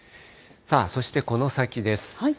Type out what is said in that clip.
そしてこの先です。